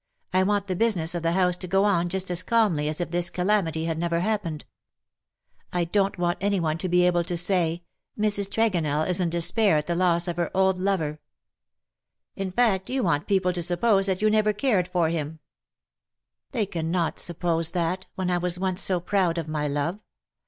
I want the business of the house to go on just as calmly as if this calamity had never happened. I don^t want any one to be able to say, ' Mrs. Tregonell is in despair at the loss of her old lover/ " "In fact you want people to suppose that you never cared for him V " They cannot suppose that, when I was once so proud of my love.